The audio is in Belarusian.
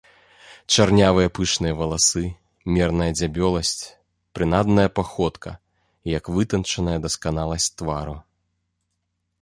Чарнявыя пышныя валасы, мерная дзябёласць, прынадная паходка і як вытанчаная дасканаласць твару.